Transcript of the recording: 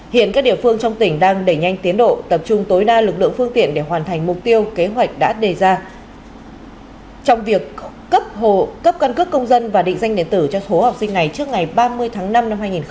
hiện các địa phương trong tỉnh đang đẩy nhanh tiến độ tập trung tối đa lực lượng phương tiện để hoàn thành mục tiêu kế hoạch đã đề ra trong việc cấp hộ cấp căn cước công dân và định danh điện tử cho số học sinh này trước ngày ba mươi tháng năm năm hai nghìn hai mươi